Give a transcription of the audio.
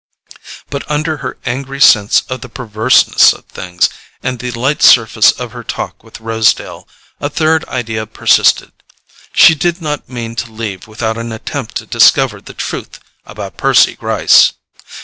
But under her angry sense of the perverseness of things, and the light surface of her talk with Rosedale, a third idea persisted: she did not mean to leave without an attempt to discover the truth about Percy Gryce.